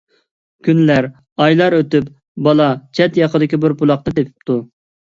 كۈنلەر، ئايلار ئۆتۈپ بالا چەت - ياقىدىكى بىر بۇلاقنى تېپىپتۇ.